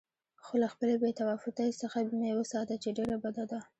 خو له خپلې بې تفاوتۍ څخه مې وساته چې ډېره بده ده.